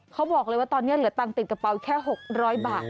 เขาบอกเลยว่าตอนนี้เหลือตังค์ติดกระเป๋าแค่๖๐๐บาท